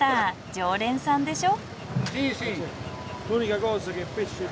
常連さんでしょ？